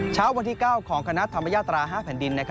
เช้าวันที่๙ของคณะธรรมยาตรา๕แผ่นดิน